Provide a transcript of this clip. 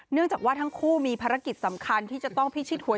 เนื่องจากว่าทั้งคู่มีภารกิจสำคัญที่จะต้องพิชิตหัว